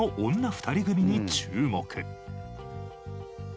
２人組に注目。